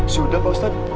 sudah pak ustadz